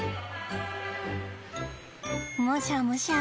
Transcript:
むしゃむしゃ。